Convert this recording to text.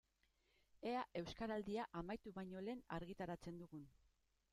Ea Euskaraldia amaitu baino lehen argitaratzen dugun.